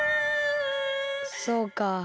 そうか。